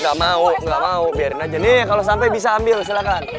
gak mau gak mau biarin aja nih kalo sampe bisa ambil silahkan